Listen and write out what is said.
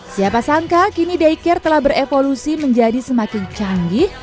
siapa sangka kini daycare telah berevolusi menjadi semakin canggih